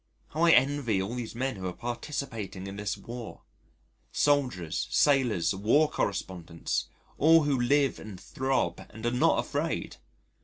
How I envy all these men who are participating in this War soldiers, sailors, war correspondents all who live and throb and are not afraid.